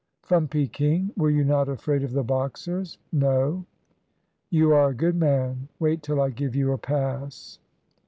"From Peking." "Were you not afraid of the Boxers?" "No." "You are a good man; wait till I give you a pass."